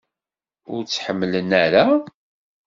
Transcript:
Ur tt-ḥemmlen ara?